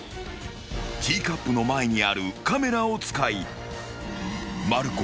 ［ティーカップの前にあるカメラを使いまる子。